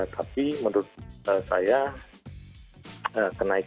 tapi menurut saya kenaikan